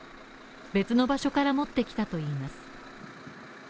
別の場所から持ってきたといいます。